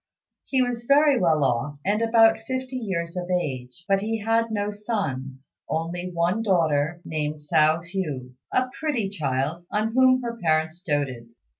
He was very well off, and about fifty years of age, but he had no sons; only one daughter, named Hsiao hui, a pretty child on whom her parents doted.